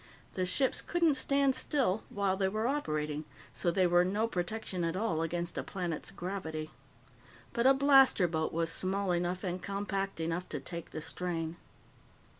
The ships couldn't stand still while they were operating, so they were no protection at all against a planet's gravity. But a blaster boat was small enough and compact enough to take the strain.